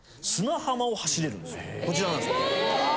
こちらなんですけど。